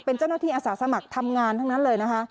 เป็นเจ้าหน้าที่อาสาสมัครทำงานทั้งนั้นเลยนะคะ